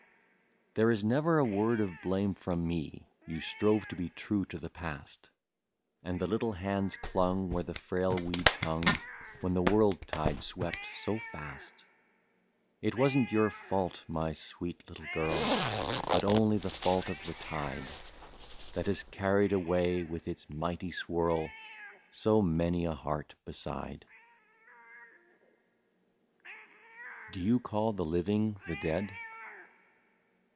^^ There is never a word of blame from me, — You strove to be true to the past, And the little hands clung where the frail weeds hung, When the world tide swept so fast. " It was n't your fault, my own little girl, But only the fault of the tide. That has carried away with its mighty swirl So many a heart beside/' 144 '' DO YOU CALL THE LIVING THE DEAD